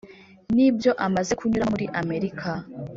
N’ibyo amaze kunyuramo muri Amerika.